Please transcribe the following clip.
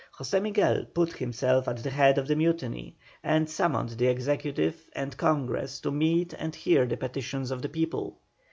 José Miguel put himself at the head of the mutiny, and summoned the Executive and Congress to meet and hear the petitions of the people.